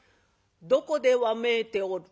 「どこでわめいておる？」。